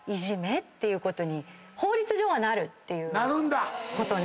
法律上はなるっていうことに。